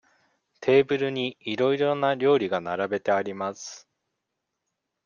テーブルにいろいろな料理が並べてあります。